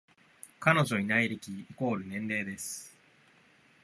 彼女いない歴イコール年齢です